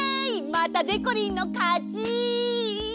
またでこりんのかち！